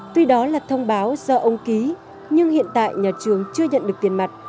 tuy đó là thông báo do ông ký nhưng hiện tại nhà trường chưa nhận được tiền mặt